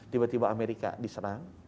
tiba tiba amerika diserang